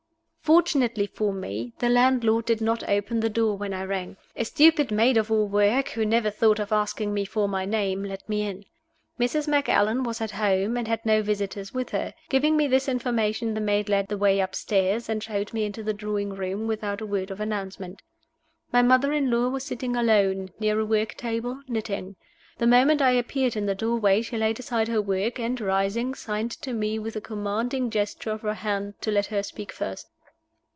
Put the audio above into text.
FORTUNATELY for me, the landlord did not open the door when I rang. A stupid maid of all work, who never thought of asking me for my name, let me in. Mrs. Macallan was at home, and had no visitors with her. Giving me this information, the maid led the way upstairs, and showed me into the drawing room without a word of announcement. My mother in law was sitting alone, near a work table, knitting. The moment I appeared in the doorway she laid aside her work, and, rising, signed to me with a commanding gesture of her hand to let her speak first.